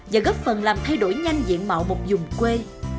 và góp phần làm thay đổi nhanh diện mạo một dùng quê